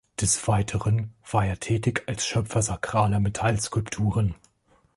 Des Weiteren war er tätig als Schöpfer sakraler Metall-Skulpturen.